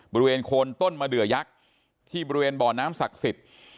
บริเวณโคนต้นมะเดือยักษ์ที่บริเวณบ่อน้ำศักดิ์สิทธิ์